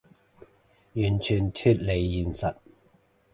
完全脫離現實